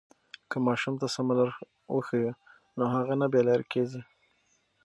که ماشوم ته سمه لاره وښیو نو هغه نه بې لارې کېږي.